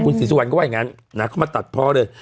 ศรีสุวรรณก็ว่าอย่างนั้นนะเขามาตัดพ่อเลย